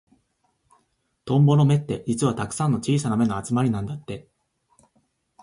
トンボの目って、実はたくさんの小さな目の集まりなんだって。